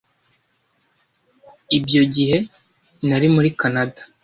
Ibyo gihe, nari muri Kanada.